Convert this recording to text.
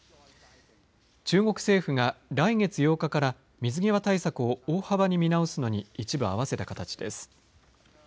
中国政府が来月８日から水際対策を大幅に見直すのに一部、合わせた形です。